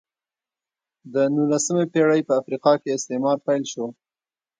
د نولسمې پېړۍ په افریقا کې استعمار پیل شو.